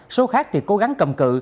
số khác thì cố gắng cầm cự